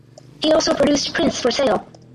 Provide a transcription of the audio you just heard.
He also produced prints for sale.